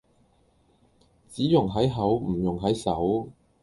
只溶喺口唔溶喺手